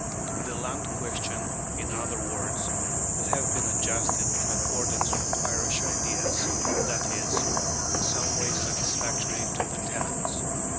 The land question, in other words, would have been adjusted in accordance with "Irish ideas," that is, in some way satisfactory to the tenants.